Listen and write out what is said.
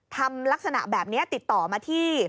ทำลักษณะแบบนี้ติดต่อมาที่